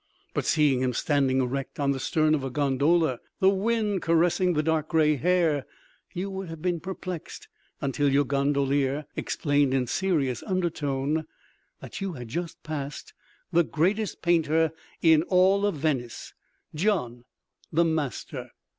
But seeing him standing erect on the stern of a gondola, the wind caressing the dark gray hair, you would have been perplexed until your gondolier explained in serious undertone that you had just passed "the greatest Painter in all Venice, Gian, the Master."